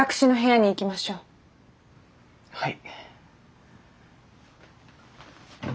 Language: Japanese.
はい。